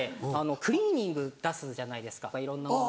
クリーニング出すじゃないですかいろんなもの。